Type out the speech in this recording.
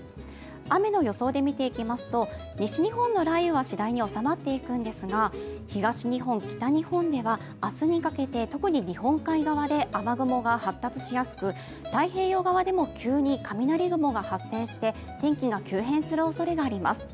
雨の予想で見ていきますと西日本の雷雨は次第に収まっていくんですが、東日本、北日本では明日にかけて特に日本海側で雨雲が発達しやすく、太平洋側でも急に雷雲が発生して天気が急変するおそれがあります。